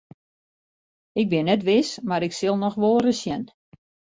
Ik bin net wis mar ik sil noch wolris sjen.